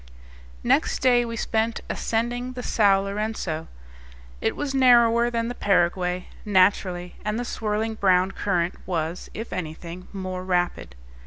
Next day we spent ascending the Sao Lourenco. It was narrower than the Paraguay, naturally, and the swirling brown current was, if anything, more rapid.